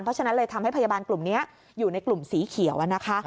เพราะฉะนั้นเลยทำให้พยาบาลกลุ่มนี้อยู่ในกลุ่มสีเขียวนะคะ